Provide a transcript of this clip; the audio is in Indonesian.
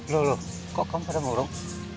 loh loh kok kamu pada mulung